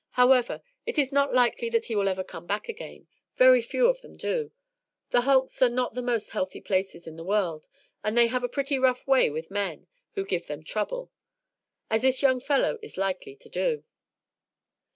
"However, it is not likely that he will ever come back again very few of them do; the hulks are not the most healthy places in the world, and they have a pretty rough way with men who give them trouble, as this young fellow is likely to do."